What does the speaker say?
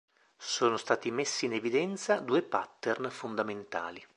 Sono stati messi in evidenza due pattern fondamentali.